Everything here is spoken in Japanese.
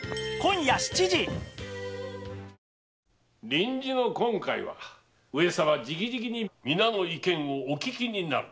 臨時の今回は上様直々にみなの意見をお聞きになる。